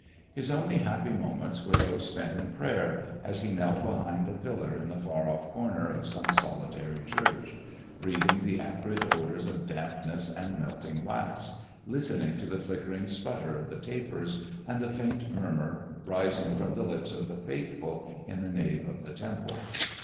His only happy moments were those spent in prayer, as he knelt behind a pillar in the far off corner of some solitary church, breathing the acrid odors of dampness and melting wax, listening to the flickering sputter of the tapers and the faint murmur rising from the lips of the faithful in the nave of the temple.